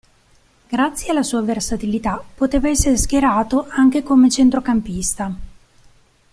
Grazie alla sua versatilità, poteva essere schierato anche come centrocampista.